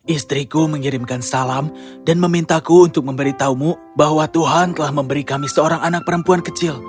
istriku mengirimkan salam dan memintaku untuk memberitahumu bahwa tuhan telah memberi kami seorang anak perempuan kecil